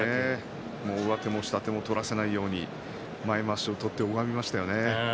上手も下手も取らせないように前まわしを取って拒みましたよね。